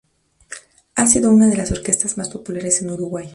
Ha sido una de las orquestas más populares en Uruguay.